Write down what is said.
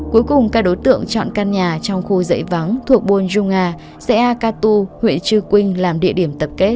cuối cùng các đối tượng chọn căn nhà trong khu dãy vắng thuộc buonjunga seakatu huyện chư quynh làm địa điểm tập kết